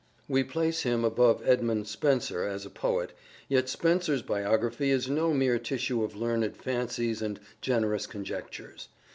We place him above Edmund Spenser as a poet, yet Spenser's biography is no mere tissue of learned fancies and generous conjectures.